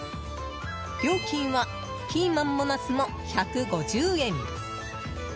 料金はピーマンもナスも１５０円。